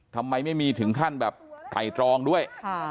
ทำไมไม่มีถึงขั้นแบบไตรตรองด้วย